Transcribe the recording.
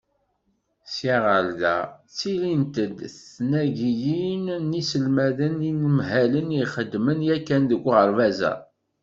Sya ɣer da, ttilint-d tnagiyin n yiselmaden d yinemhalen i ixedmen yakan deg uɣerbaz-a.